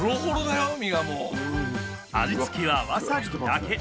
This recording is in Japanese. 味付けはわさびだけ。